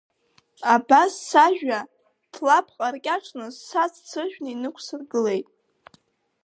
Абас сажәа ҭлапҟа ркьаҿны, саҵәца ыжәны инықәсыргылеит.